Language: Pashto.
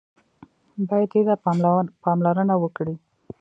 بايد دې ته پاملرنه وکړي.